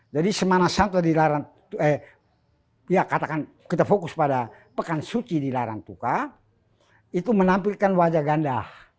jadi semana santa kita fokus pada pekan suci di larang tuka itu menampilkan wajah ganda